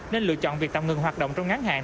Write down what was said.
nên lựa chọn việc tạm ngừng hoạt động trong ngán hàng